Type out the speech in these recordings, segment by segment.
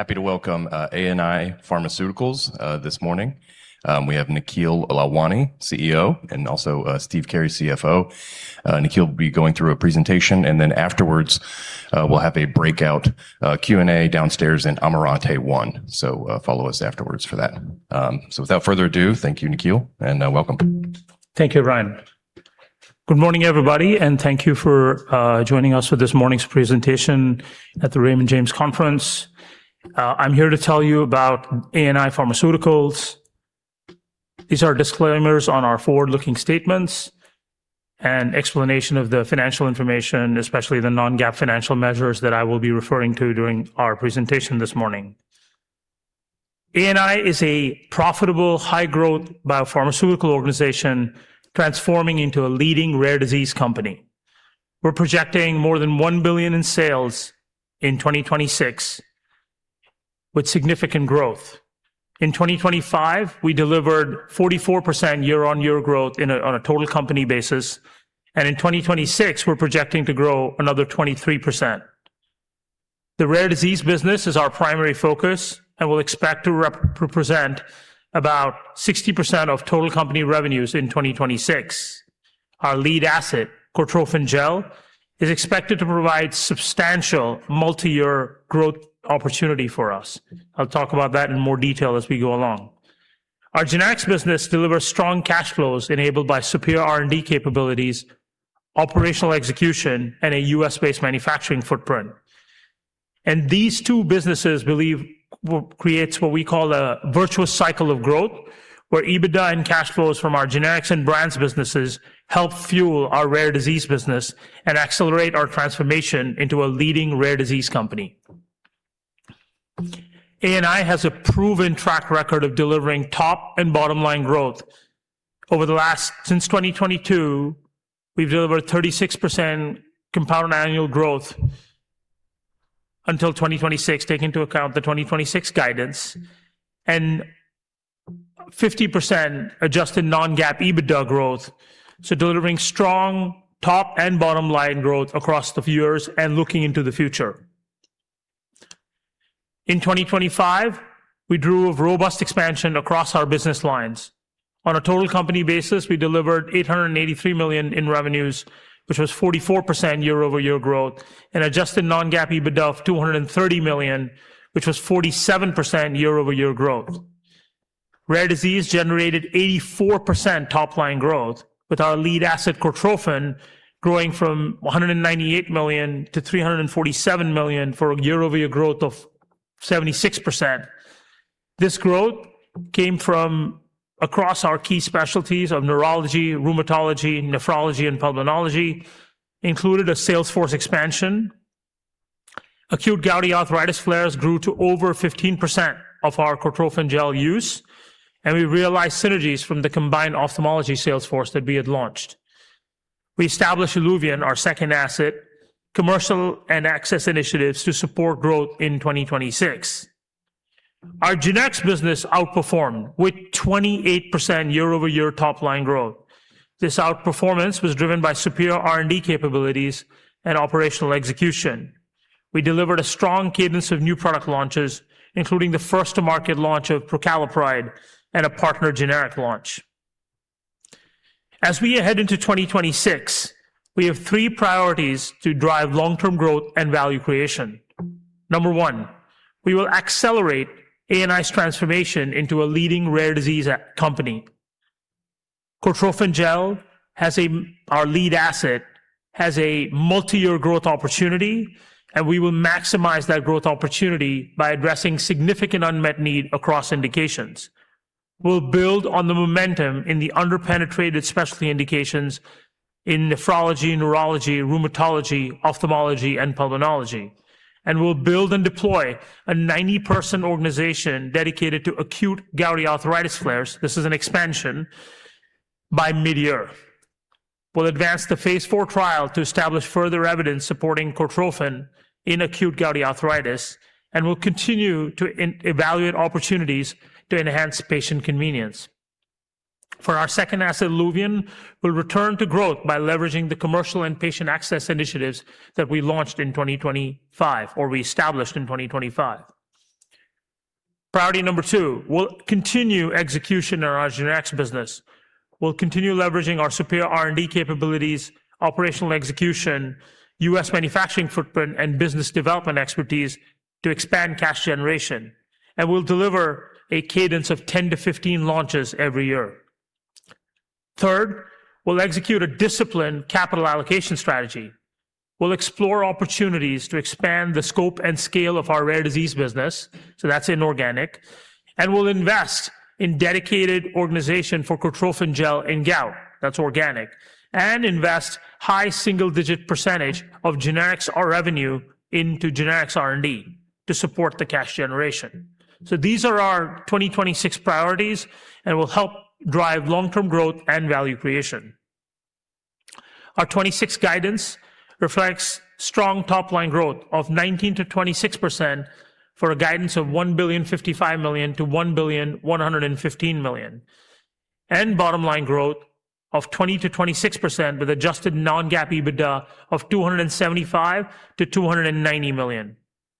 Happy to welcome ANI Pharmaceuticals this morning. We have Nikhil Lalwani, CEO, and also Stephen Carey, CFO. Nikhil will be going through a presentation, and then afterwards, we'll have a breakout Q&A downstairs in Amarante 1. Follow us afterwards for that. Without further ado, thank you, Nikhil, and welcome. Thank you, Ryan. Good morning, everybody, thank you for joining us for this morning's presentation at the Raymond James Conference. I'm here to tell you about ANI Pharmaceuticals. These are disclaimers on our forward-looking statements and explanation of the financial information, especially the non-GAAP financial measures that I will be referring to during our presentation this morning. ANI is a profitable high-growth biopharmaceutical organization transforming into a leading rare disease company. We're projecting more than $1 billion in sales in 2026 with significant growth. In 2025, we delivered 44% year-over-year growth on a total company basis. In 2026, we're projecting to grow another 23%. The rare disease business is our primary focus and will expect to represent about 60% of total company revenues in 2026. Our lead asset, Cortrophin Gel, is expected to provide substantial multi-year growth opportunity for us. I'll talk about that in more detail as we go along. Our Generics business delivers strong cash flows enabled by superior R&D capabilities, operational execution, and a US-based manufacturing footprint. These two businesses believe will create what we call a virtual cycle of growth, where EBITDA and cash flows from our Generics and brands businesses help fuel our rare disease business and accelerate our transformation into a leading rare disease company. ANI has a proven track record of delivering top and bottom-line growth. Since 2022, we've delivered 36% compound annual growth until 2026, taking into account the 2026 guidance and 50% adjusted non-GAAP EBITDA growth. Delivering strong top and bottom-line growth across the few years and looking into the future. In 2025, we drew a robust expansion across our business lines. On a total company basis, we delivered $883 million in revenues, which was 44% year-over-year growth and adjusted non-GAAP EBITDA of $230 million, which was 47% year-over-year growth. Rare disease generated 84% top-line growth, with our lead asset, Cortrophin, growing from $198 million-$347 million for a year-over-year growth of 76%. This growth came from across our key specialties of neurology, rheumatology, nephrology, and pulmonology, included a sales force expansion. acute gouty arthritis flares grew to over 15% of our Cortrophin Gel use, and we realized synergies from the combined ophthalmology sales force that we had launched. We established ILUVIEN, our second asset, commercial and access initiatives to support growth in 2026. Our Generics business outperformed with 28% year-over-year top-line growth. This outperformance was driven by superior R&D capabilities and operational execution. We delivered a strong cadence of new product launches, including the first-to-market launch of Prucalopride and a partner generic launch. As we head into 2026, we have three priorities to drive long-term growth and value creation. Number 1, we will accelerate ANI's transformation into a leading rare disease company. Cortrophin Gel has our lead asset has a multi-year growth opportunity, and we will maximize that growth opportunity by addressing significant unmet need across indications. We'll build on the momentum in the under-penetrated specialty indications in nephrology, neurology, rheumatology, ophthalmology, and pulmonology. We'll build and deploy a 90-person organization dedicated to acute gouty arthritis flares, this is an expansion, by mid-year. We'll advance the phase IV trial to establish further evidence supporting Cortrophin in acute gouty arthritis, will continue to evaluate opportunities to enhance patient convenience. For our second asset, ILUVIEN, we'll return to growth by leveraging the commercial and patient access initiatives that we launched in 2025 or reestablished in 2025. Priority number two, we'll continue execution on our Generics business. We'll continue leveraging our superior R&D capabilities, operational execution, U.S. manufacturing footprint, and business development expertise to expand cash generation. We'll deliver a cadence of 10-15 launches every year. Third, we'll execute a disciplined capital allocation strategy. We'll explore opportunities to expand the scope and scale of our rare disease business, so that's inorganic. We'll invest in dedicated organization for Cortrophin Gel in gout, that's organic, and invest high single-digit % of Generics, our revenue into Generics R&D to support the cash generation. These are our 2026 priorities and will help drive long-term growth and value creation. Our 2026 guidance reflects strong top-line growth of 19%-26% for a guidance of $1.055 billion-$1.115 billion. Bottom line growth of 20%-26% with adjusted non-GAAP EBITDA of $275 million-$290 million.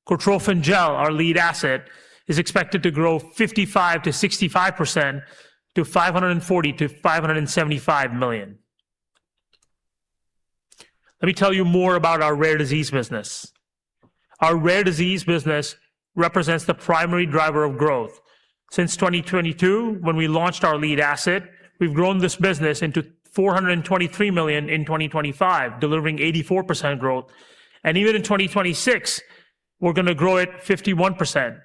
Cortrophin Gel, our lead asset, is expected to grow 55%-65% to $540 million-$575 million. Let me tell you more about our rare disease business. Our rare disease business represents the primary driver of growth. Since 2022, when we launched our lead asset, we've grown this business into $423 million in 2025, delivering 84% growth. Even in 2026, we're gonna grow it 51%,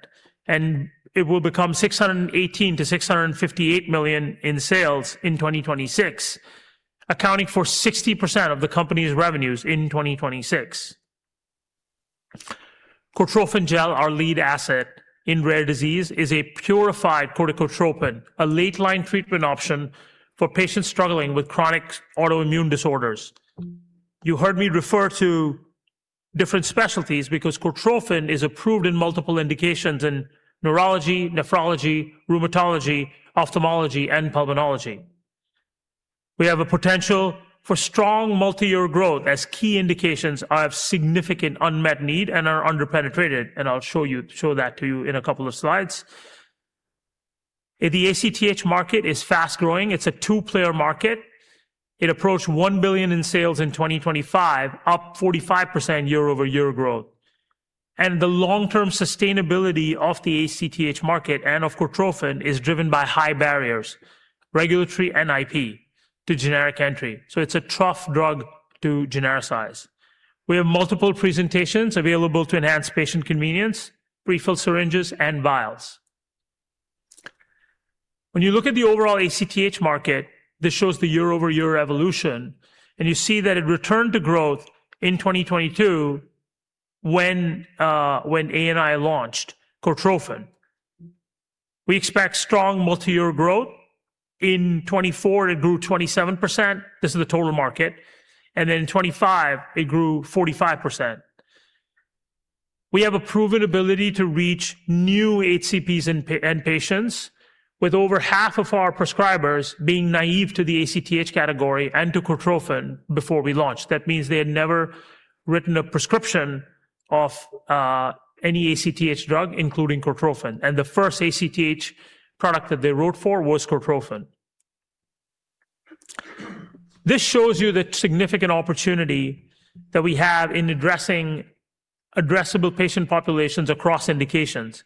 and it will become $618 million-$658 million in sales in 2026, accounting for 60% of the company's revenues in 2026. Cortrophin Gel, our lead asset in rare disease, is a purified corticotrophin, a late-line treatment option for patients struggling with chronic autoimmune disorders. You heard me refer to different specialties because Cortrophin is approved in multiple indications in neurology, nephrology, rheumatology, ophthalmology, and pulmonology. We have a potential for strong multi-year growth as key indications have significant unmet need and are under-penetrated, I'll show that to you in a couple of slides. The ACTH market is fast-growing. It's a two-player market. It approached $1 billion in sales in 2025, up 45% year-over-year growth. The long-term sustainability of the ACTH market and of Cortrophin is driven by high barriers, regulatory and IP, to generic entry. It's a tough drug to genericize. We have multiple presentations available to enhance patient convenience, prefilled syringes, and vials. When you look at the overall ACTH market, this shows the year-over-year evolution, and you see that it returned to growth in 2022 when ANI launched Cortrophin. We expect strong multi-year growth. In 2024, it grew 27%. This is the total market. In 2025, it grew 45%. We have a proven ability to reach new HCPs and end patients, with over half of our prescribers being naive to the ACTH category and to Cortrophin before we launched. That means they had never written a prescription of any ACTH drug, including Cortrophin, and the first ACTH product that they wrote for was Cortrophin. This shows you the significant opportunity that we have in addressing addressable patient populations across indications.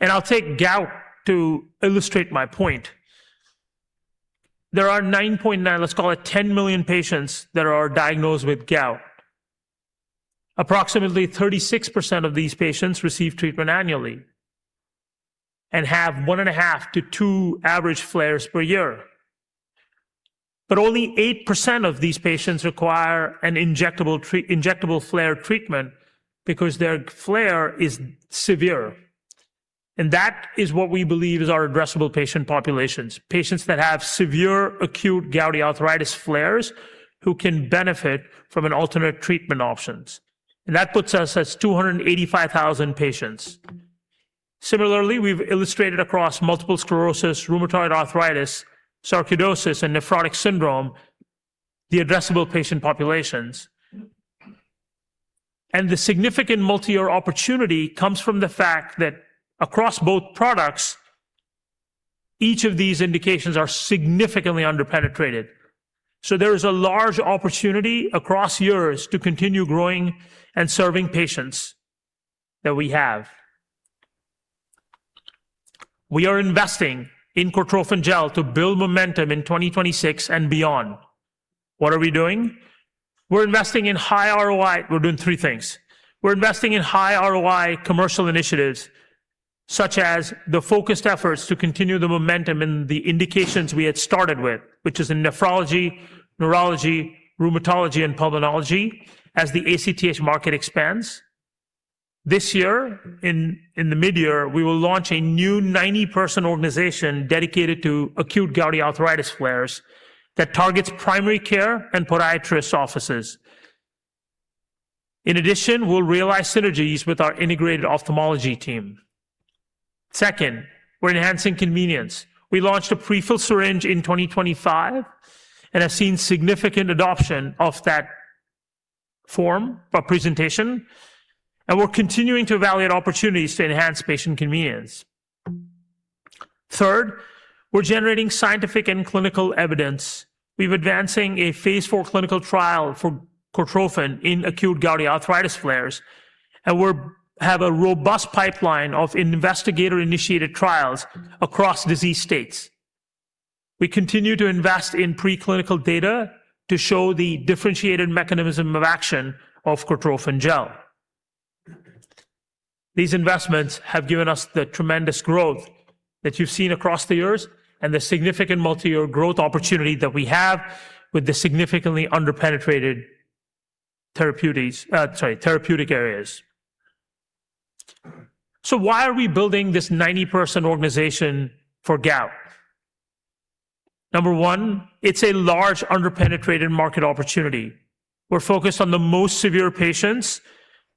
I'll take gout to illustrate my point. There are 9.9, let's call it 10 million patients that are diagnosed with gout. Approximately 36% of these patients receive treatment annually and have 1.5-2 average flares per year. Only 8% of these patients require an injectable flare treatment because their flare is severe. That is what we believe is our addressable patient populations, patients that have severe acute gouty arthritis flares who can benefit from an alternate treatment options. That puts us at 285,000 patients. Similarly, we've illustrated across multiple sclerosis, rheumatoid arthritis, sarcoidosis, and nephrotic syndrome, the addressable patient populations. The significant multi-year opportunity comes from the fact that across both products, each of these indications are significantly under-penetrated. There is a large opportunity across years to continue growing and serving patients that we have. We are investing in Cortrophin Gel to build momentum in 2026 and beyond. What are we doing? We're investing in high ROI. We're doing three things. We're investing in high ROI commercial initiatives, such as the focused efforts to continue the momentum in the indications we had started with, which is in nephrology, neurology, rheumatology, and pulmonology as the ACTH market expands. This year in the mid-year, we will launch a new 90-person organization dedicated to acute gouty arthritis flares that targets primary care and podiatrist offices. In addition, we'll realize synergies with our integrated ophthalmology team. Second, we're enhancing convenience. We launched a prefilled syringe in 2025 and have seen significant adoption of that form or presentation, and we're continuing to evaluate opportunities to enhance patient convenience. Third, we're generating scientific and clinical evidence. We're advancing a phase IV clinical trial for Cortrophin in acute gouty arthritis flares, and we have a robust pipeline of investigator-initiated trials across disease states. We continue to invest in preclinical data to show the differentiated mechanism of action of Cortrophin Gel. These investments have given us the tremendous growth that you've seen across the years and the significant multi-year growth opportunity that we have with the significantly under-penetrated therapeutics, sorry, therapeutic areas. Why are we building this 90-person organization for gout? Number one, it's a large under-penetrated market opportunity. We're focused on the most severe patients,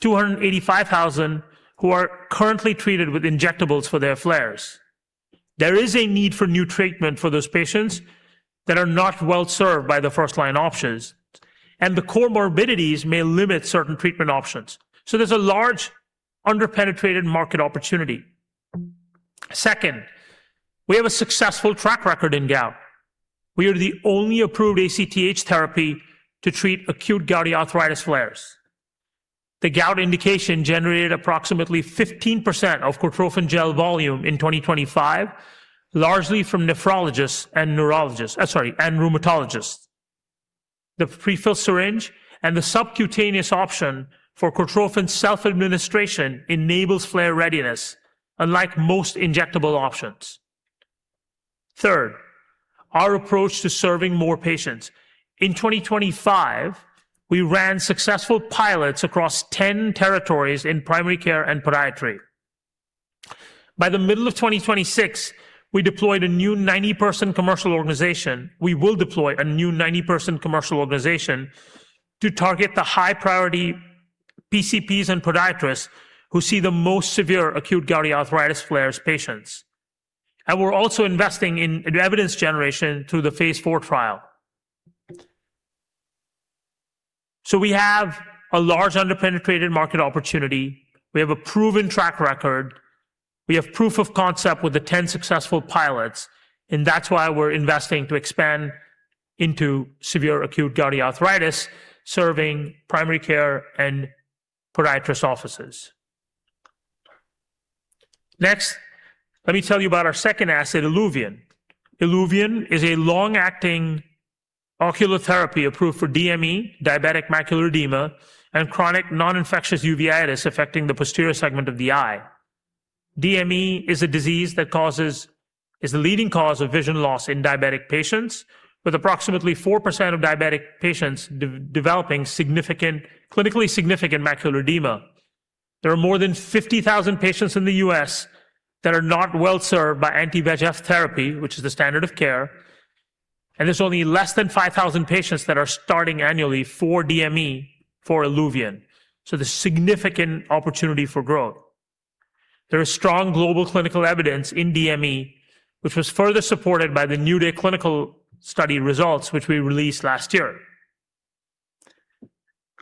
285,000, who are currently treated with injectables for their flares. There is a need for new treatment for those patients that are not well-served by the first-line options. The comorbidities may limit certain treatment options. There's a large under-penetrated market opportunity. Second, we have a successful track record in gout. We are the only approved ACTH therapy to treat acute gouty arthritis flares. The gout indication generated approximately 15% of Cortrophin Gel volume in 2025, largely from nephrologists and neurologists. Sorry, and rheumatologists. The prefilled syringe and the subcutaneous option for Cortrophin self-administration enables flare readiness, unlike most injectable options. Third, our approach to serving more patients. In 2025, we ran successful pilots across 10 territories in primary care and podiatry. By the middle of 2026, we deployed a new 90-person commercial organization. We will deploy a new 90-person commercial organization to target the high-priority PCPs and podiatrists who see the most severe acute gouty arthritis flares patients. We're also investing in evidence generation through the phase IV trial. We have a large under-penetrated market opportunity. We have a proven track record. We have proof of concept with the 10 successful pilots, and that's why we're investing to expand into severe acute gouty arthritis, serving primary care and podiatrist offices. Next, let me tell you about our second asset, ILUVIEN. ILUVIEN is a long-acting ocular therapy approved for DME, diabetic macular edema, and chronic non-infectious uveitis affecting the posterior segment of the eye. DME is a disease that causes... is the leading cause of vision loss in diabetic patients, with approximately 4% of diabetic patients de-developing significant, clinically significant macular edema. There are more than 50,000 patients in the U.S. that are not well-served by anti-VEGF therapy, which is the standard of care. There's only less than 5,000 patients that are starting annually for DME for ILUVIEN. There's significant opportunity for growth. There is strong global clinical evidence in DME, which was further supported by the NEW DAY clinical study results, which we released last year.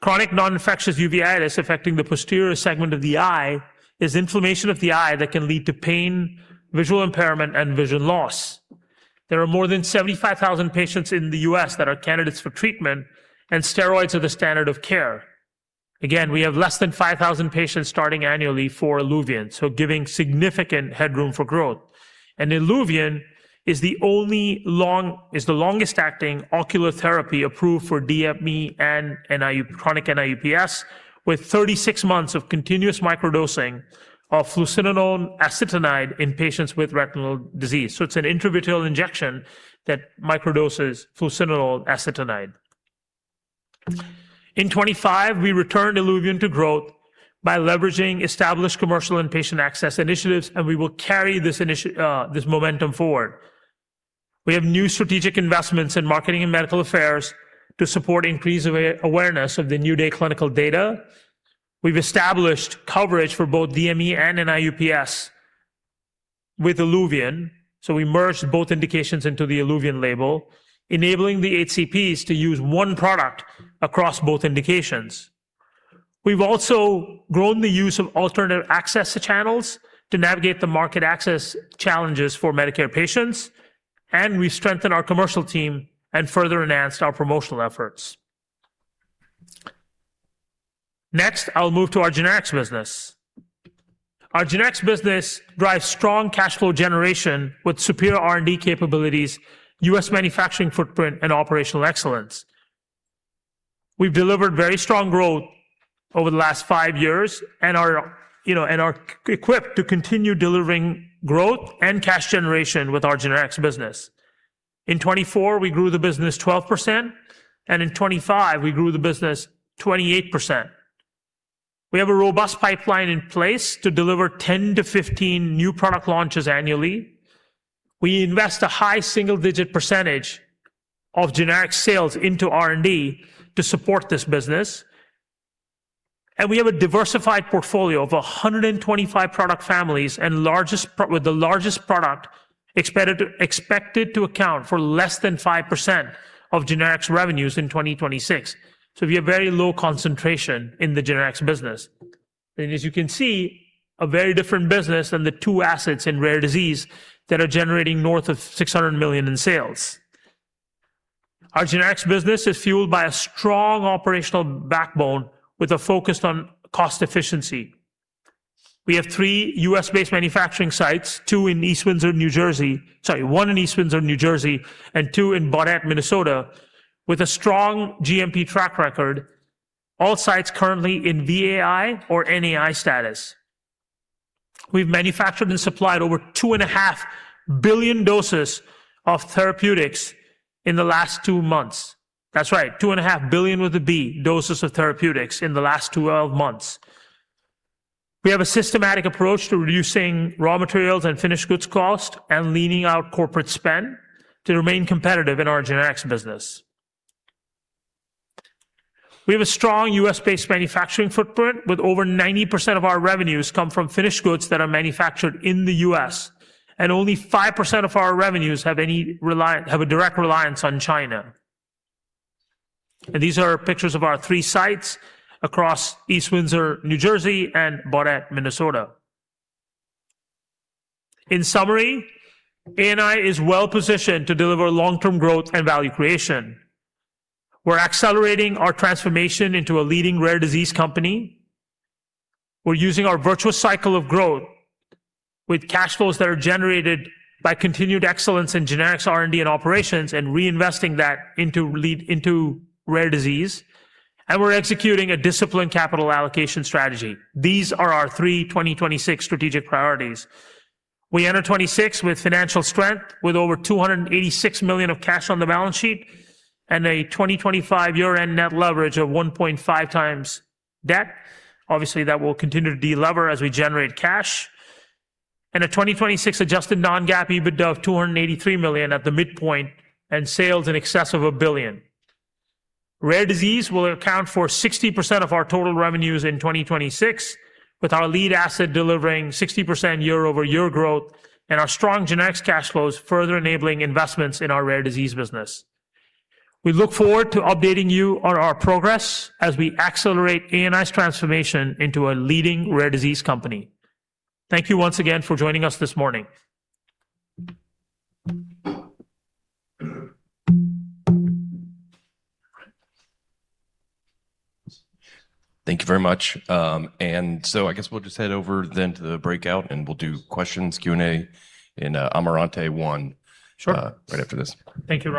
Chronic non-infectious uveitis affecting the posterior segment of the eye is inflammation of the eye that can lead to pain, visual impairment, and vision loss. There are more than 75,000 patients in the U.S. that are candidates for treatment, and steroids are the standard of care. We have less than 5,000 patients starting annually for ILUVIEN, giving significant headroom for growth. ILUVIEN is the only longest-acting ocular therapy approved for DME and chronic NIU-PS, with 36 months of continuous microdosing of fluocinolone acetonide in patients with retinal disease. It's an intravitreal injection that microdoses fluocinolone acetonide. In 2025, we returned ILUVIEN to growth by leveraging established commercial and patient access initiatives, we will carry this momentum forward. We have new strategic investments in marketing and medical affairs to support increased awareness of the NEW DAY clinical data. We've established coverage for both DME and NIU-PS with ILUVIEN, we merged both indications into the ILUVIEN label, enabling the HCPs to use one product across both indications. We've also grown the use of alternative access channels to navigate the market access challenges for Medicare patients, and we strengthened our commercial team and further enhanced our promotional efforts. I'll move to our Generics business. Our Generics business drives strong cash flow generation with superior R&D capabilities, U.S. manufacturing footprint, and operational excellence. We've delivered very strong growth over the last five years and are, you know, equipped to continue delivering growth and cash generation with our Generics business. In 2024, we grew the business 12%, and in 2025, we grew the business 28%. We have a robust pipeline in place to deliver 10-15 new product launches annually. We invest a high single-digit % of Generics sales into R&D to support this business. We have a diversified portfolio of 125 product families with the largest product expected to account for less than 5% of Generics revenues in 2026. We have very low concentration in the Generics business. As you can see, a very different business than the two assets in rare disease that are generating north of $600 million in sales. Our Generics business is fueled by a strong operational backbone with a focus on cost efficiency. We have three U.S.-based manufacturing sites, two in East Windsor, New Jersey. Sorry, one in East Windsor, New Jersey, and two in Baudette, Minnesota, with a strong GMP track record, all sites currently in VAI or NAI status. We've manufactured and supplied over 2.5 billion doses of therapeutics in the last two months. That's right, $2.5 billion with a B doses of therapeutics in the last 12 months. We have a systematic approach to reducing raw materials and finished goods cost and leaning out corporate spend to remain competitive in our Generics business. We have a strong U.S.-based manufacturing footprint, with over 90% of our revenues come from finished goods that are manufactured in the U.S., and only 5% of our revenues have a direct reliance on China. These are pictures of our three sites across East Windsor, New Jersey, and Baudette, Minnesota. In summary, ANI is well-positioned to deliver long-term growth and value creation. We're accelerating our transformation into a leading rare disease company. We're using our virtual cycle of growth with cash flows that are generated by continued excellence in Generics R&D and operations and reinvesting that into rare disease. We're executing a disciplined capital allocation strategy. These are our 3 2026 strategic priorities. We enter 2026 with financial strength, with over $286 million of cash on the balance sheet and a 2025 year-end net leverage of 1.5x debt. Obviously, that will continue to delever as we generate cash. A 2026 adjusted non-GAAP EBITDA of $283 million at the midpoint and sales in excess of $1 billion. Rare disease will account for 60% of our total revenues in 2026, with our lead asset delivering 60% year-over-year growth and our strong Generics cash flows further enabling investments in our rare disease business. We look forward to updating you on our progress as we accelerate ANI's transformation into a leading rare disease company. Thank you once again for joining us this morning. Thank you very much. I guess we'll just head over then to the breakout, and we'll do questions, Q&A in, Amarante 1. Sure. Right after this. Thank you.